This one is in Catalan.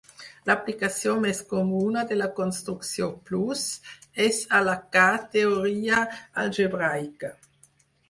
L'aplicació més comuna de la construcció plus és a la K-teoria algebraica.